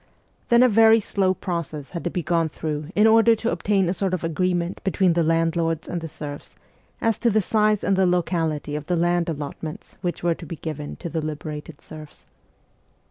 Then a very slow process had to be gone through in order to obtain a sort of agreement between the landlords and the serfs as to the size and the locality of the land allotments which were to be given to the liberated serfs.